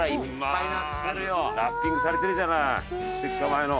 ラッピングされてるじゃない出荷前の。